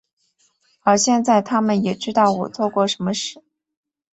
而现在他们也知道我做过什么事。